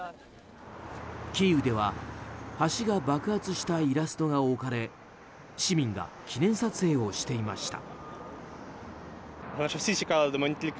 キーウでは橋が爆発したイラストが置かれ市民が記念撮影をしていました。